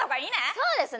そうですね。